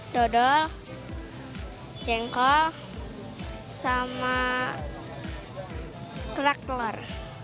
dodol cengkol sama kerak telur